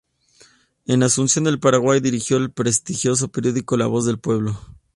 En Asunción del Paraguay dirigió el prestigioso periódico "La Voz del Pueblo".